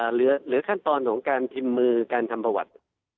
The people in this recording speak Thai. เหลือขั้นตอนของการพิมพ์มือการทำประวัติ